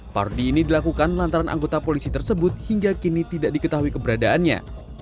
pardi ini dilakukan lantaran anggota polisi tersebut hingga kini tidak diketahui keberadaannya